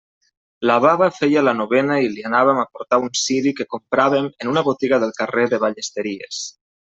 La baba feia la novena i li anàvem a portar un ciri que compràvem en una botiga del carrer de Ballesteries.